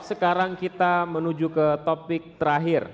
sekarang kita menuju ke topik terakhir